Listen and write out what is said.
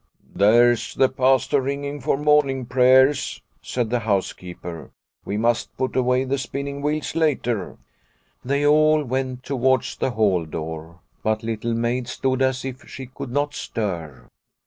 ' There's the Pastor ringing for morning prayers," said the housekeeper. " We must put away the spinning wheels later." They all went towards the hall door, but Little Maid stood as if she could not stir.